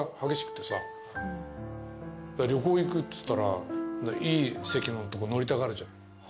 旅行行くっつったらいい席のとこ乗りたがるじゃん。